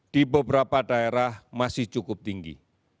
di beberapa daerah masih cukup tinggi